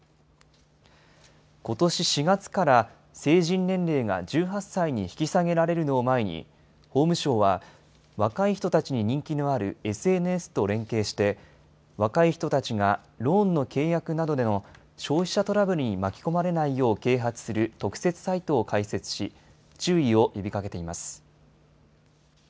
ことし４月から成人年齢が１８歳に引き下げられるのを前に、法務省は、若い人たちに人気のあるＳＮＳと連携して、若い人たちがローンの契約などでの消費者トラブルに巻き込まれないよう啓発する特設サイトを開設し、注意を呼びかけています。